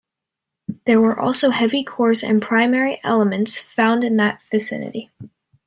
There were also heavy cores and primary elements found in that vicinity.